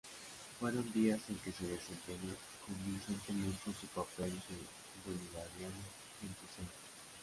Fueron días en que desempeñó convincentemente su papel de bolivariano entusiasta.